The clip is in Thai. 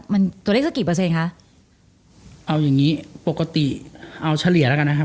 มันตัวเลขสักกี่เปอร์เซ็นต์เอาอย่างงี้ปกติเอาเฉลี่ยแล้วกันนะครับ